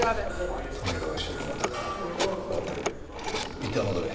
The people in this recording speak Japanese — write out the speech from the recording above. いったん戻れ。